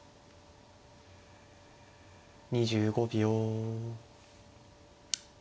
２５秒。